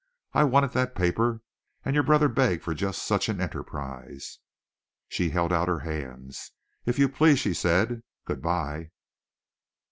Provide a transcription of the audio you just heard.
I wanted that paper, and your brother begged for just such an enterprise." She held out her hands. "If you please!" she said. "Good bye!"